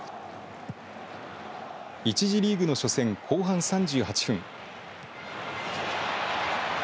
１次リーグの初戦、後半３８分。